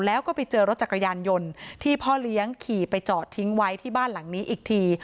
แล้วก็ไปเจอรถจักรยานยนต์ที่พ่อเลี้ยงขี่ไปจอดทิ้งไว้ที่บ้านหลังนี้อีกที